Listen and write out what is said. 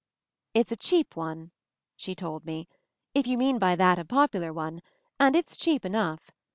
"It's a cheap one," she told me, "if you mean by that a popular one, and it's cheap enough.